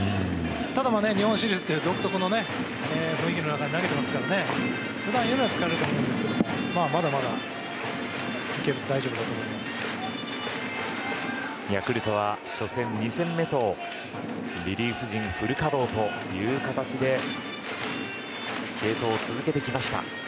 ただ、日本シリーズという独特の雰囲気の中で投げてますから普段よりは疲れると思うんですけどヤクルトは初戦、２戦目とリリーフ陣フル稼働という形で継投を続けてきました。